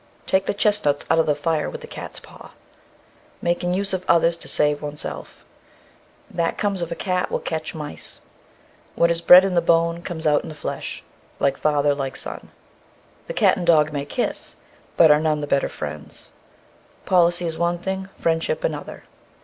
Take the chestnuts out of the fire with the cat's paw. Making use of others to save oneself. That comes of a cat will catch mice. What is bred in the bone comes out in the flesh. Like father, like son. The cat and dog may kiss, but are none the better friends. Policy is one thing, friendship another.